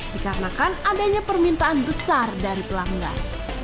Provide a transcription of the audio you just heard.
dikarenakan adanya permintaan besar dari pelanggan